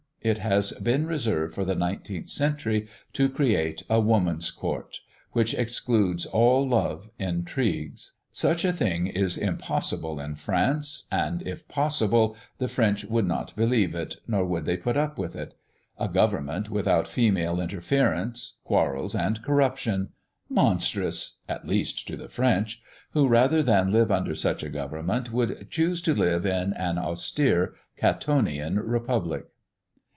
It has been reserved for the 19th century to create a Woman's Court, which excludes all love intrigues. Such a thing is impossible in France; and if possible, the French would not believe it, nor would they put up with it. A government without female interference, quarrels, and corruption! Monstrous, at least to the French, who, rather than live under such a government, would choose to live in an austere Catonian Republic.